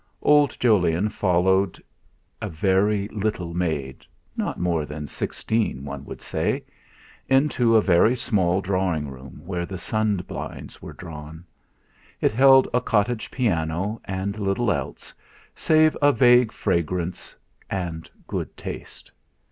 Old Jolyon followed a very little maid not more than sixteen one would say into a very small drawing room where the sun blinds were drawn. It held a cottage piano and little else save a vague fragrance and good taste.